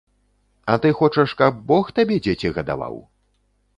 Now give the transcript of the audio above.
А ты хочаш, каб бог табе дзеці гадаваў?